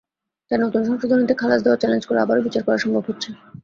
তাই নতুন সংশোধনীতে খালাস দেওয়া চ্যালেঞ্জ করে আবারও বিচার করা সম্ভব হচ্ছে।